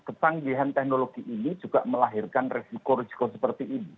ketanggihan teknologi ini juga melahirkan resiko resiko seperti ini